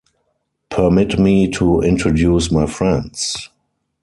Permit me to introduce my friends.